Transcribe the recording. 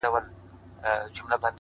• چي پر ما باندي یې سیوری کله لویږي,